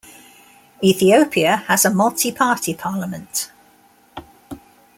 Ethiopia has a multi-party parliament.